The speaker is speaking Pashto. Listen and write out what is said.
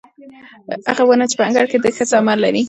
هغه ونه چې په انګړ کې ده ښه ثمر لري.